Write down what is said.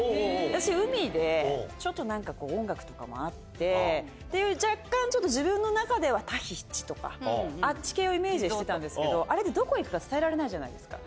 私、海で、ちょっとなんか音楽とかもあってっていう、若干、ちょっと自分の中ではタヒチとか、あっち系をイメージしてたんですけど、あれって、どこ行くか伝えられないじゃないですか。